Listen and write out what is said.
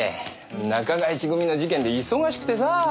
中垣内組の事件で忙しくてさぁ。